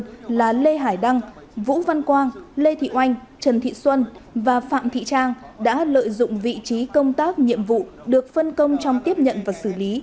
tên là lê hải đăng vũ văn quang lê thị oanh trần thị xuân và phạm thị trang đã lợi dụng vị trí công tác nhiệm vụ được phân công trong tiếp nhận và xử lý